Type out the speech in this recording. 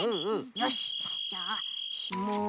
よしじゃあひもを。